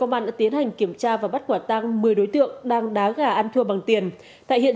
công an đã tiến hành kiểm tra và bắt quả tăng một mươi đối tượng đang đá gà ăn thua bằng tiền tại hiện